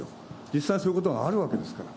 実際にそういうことがあるわけですから。